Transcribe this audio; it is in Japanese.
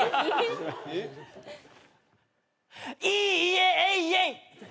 いい家エイイエイ。